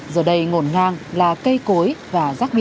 giờ đây ngồn ngang là cây cối và rắc rối